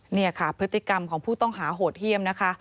นี่ค่ะพฤติกรรมของผู้ต้องหาโหดเยี่ยมนะคะ